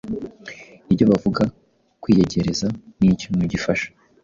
ibyo bavuga Kwiyegereza ni ikintu gifaha,